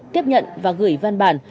tiếp nhận và gửi văn bản